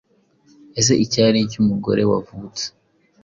Ese icyari icy'umugore wavutse,